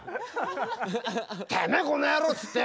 「てめえこの野郎！」っつって